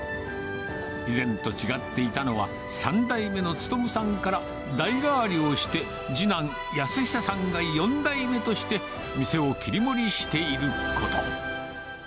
以前と違っていたのは、３代目の力さんから代替わりをして、次男、安久さんが４代目として店を切り盛りしていること。